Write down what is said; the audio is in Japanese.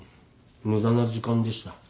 無駄な時間でした。